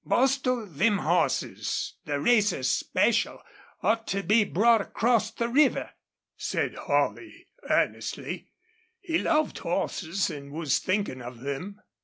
"Bostil, them hosses, the racers special, ought to be brought acrost the river," said Holley, earnestly. He loved horses and was thinking of them.